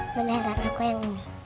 enggak beneran aku yang ini